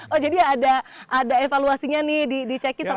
oh jadi ada evaluasinya nih di cek satu satunya